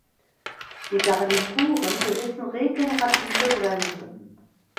Die Garnituren besitzen regenerative Bremsen.